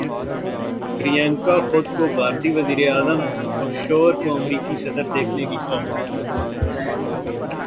پریانکا خود کو بھارتی وزیر اعظم اور شوہر کو امریکی صدر دیکھنے کی خواہاں